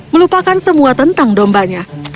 melupakan semua tentang dombanya